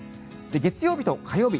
月曜日と火曜日